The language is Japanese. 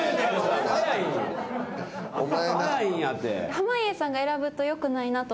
濱家さんが選ぶとよくないなと思ったんで。